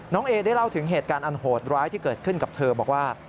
เอได้เล่าถึงเหตุการณ์อันโหดร้ายที่เกิดขึ้นกับเธอบอกว่า